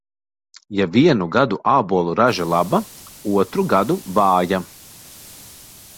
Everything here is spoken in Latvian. Ja vienu gadu ābolu raža laba, otru gadu vāja.